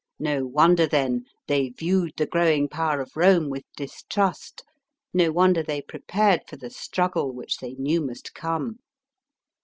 No wonder, then, they viewed the growing power of Rome with distrust ; no wonder they prepared for the struggle, which they knew must come.